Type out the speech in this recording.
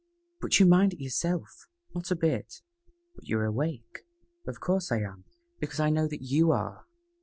"But you mind it yourself?" "Not a bit!" "But you are awake." "Of course I am, because I know that you are."